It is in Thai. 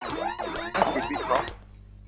นักจิตวิเคราะห์